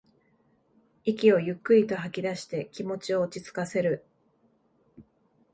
息をゆっくりと吐きだして気持ちを落ちつかせる